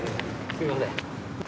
すみません。